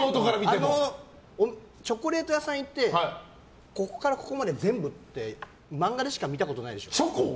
チョコレート屋さん行ってここからここまで全部って漫画でしか見たことないでしょ。